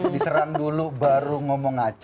diserang dulu baru ngomong acok atau ngomong aneh